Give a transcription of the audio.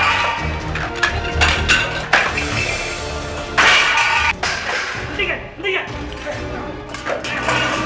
mending tre kayaknya banyak hal menunggu nada di situ